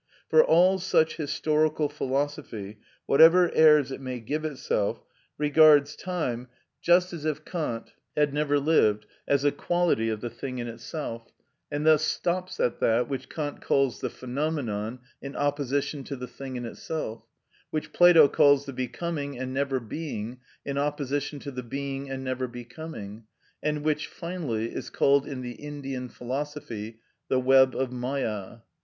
For all such historical philosophy, whatever airs it may give itself, regards time just as if Kant had never lived, as a quality of the thing in itself, and thus stops at that which Kant calls the phenomenon in opposition to the thing in itself; which Plato calls the becoming and never being, in opposition to the being and never becoming; and which, finally, is called in the Indian philosophy the web of Mâya.